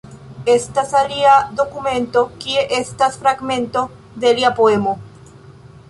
Estas alia dokumento, kie estas fragmento de lia poemo.